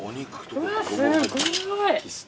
うわすごい。